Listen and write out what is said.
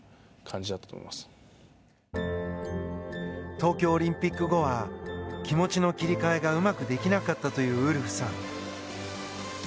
東京オリンピック後は気持ちの切り替えがうまくできなかったというウルフさん。